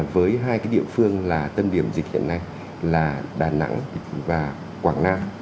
với hai địa phương là tâm điểm dịch hiện nay là đà nẵng và quảng nam